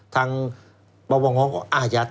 ทั้งปปงก็อ่าแยธ